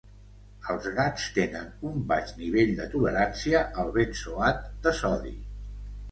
Els gats tenen un baix nivell de tolerància al benzoat de sodi.